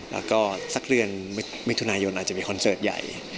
แล้วก็สักเดือนมิถุนายนอาจจะมีคอนเสิร์ตใหญ่